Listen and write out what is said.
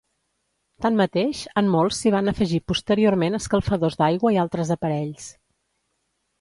Tanmateix, en molts s'hi van afegir posteriorment escalfadors d'aigua i altres aparells.